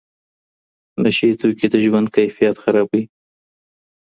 نشه یې توکي د ژوند کیفیت خرابوي.